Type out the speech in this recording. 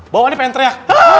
bahuannya pengen teriak